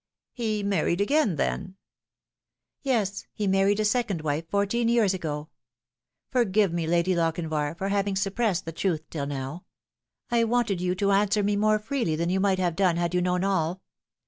" He married again, then ?"" Yes, he married a second wife fourteen years ago. Forgive me, Lady Lochinvar, for having suppressed the truth till now. I wanted you to answer me more freely than you might have done had you known all.